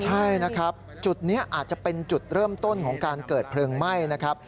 ใช่นะครับจุดนี้อาจจะเป็นจุดเริ่มต้นของการเกิดเพลิงไหม้นะครับ